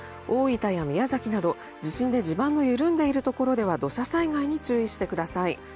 大分や宮崎など、地震で地盤の緩んでいるところでは土砂災害に注意してください。